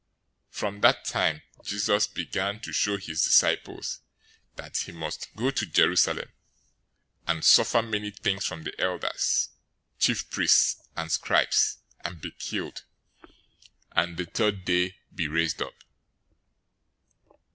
016:021 From that time, Jesus began to show his disciples that he must go to Jerusalem and suffer many things from the elders, chief priests, and scribes, and be killed, and the third day be raised up.